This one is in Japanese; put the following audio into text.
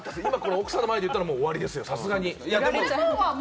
奥さんの前で言ってしまったら終わりですよ、さすがに。